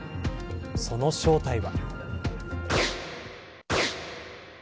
その正体は。